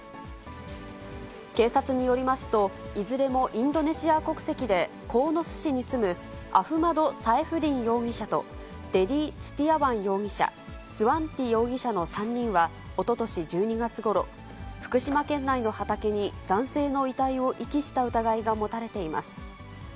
警察によりますと、いずれもインドネシア国籍で鴻巣市に住む、アフマド・サエフディン容疑者と、デディ・スティアワン容疑者、スワンティ容疑者の３人はおととし１２月ごろ、福島県内の畑に男性の遺体を遺棄した疑いが持たれています。